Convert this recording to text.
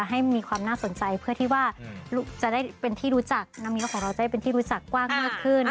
ให้มีความน่าสนใจเพื่อที่ว่าจะได้เป็นที่รู้จักน้ำเงี้ยวของเราได้เป็นที่รู้จักกว้างมากขึ้น